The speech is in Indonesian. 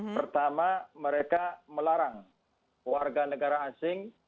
pertama mereka melarang warga negara asing